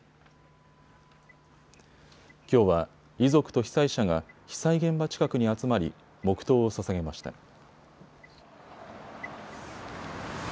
きょうは遺族と被災者が被災現場近くに集まり黙とうをささげました。